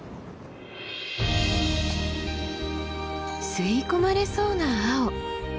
吸い込まれそうな青。